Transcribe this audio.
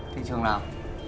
thị trường nào